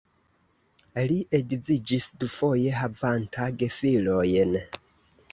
Li edziĝis dufoje havanta gefilojn.